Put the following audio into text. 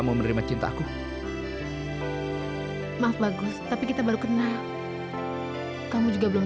mereka minta aku harus cepat menyelesaikan orderan